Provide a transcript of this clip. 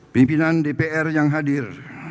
pimpinan dpr yang hadir